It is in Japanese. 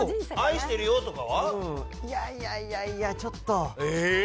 いやいやいやいや、ちょっと。